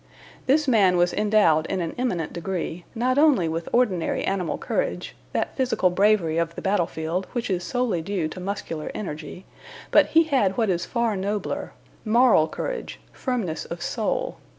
This man was endowed in an eminent degree, not only with ordinary animal courage, that physical bravery of the battle field, which is solely due to muscular energy, but he had what is far nobler moral courage, firmness of soul.